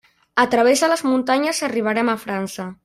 A través de les muntanyes arribarem a França.